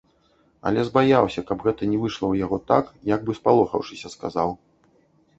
Але збаяўся, каб гэта не выйшла ў яго так, як бы спалохаўшыся сказаў.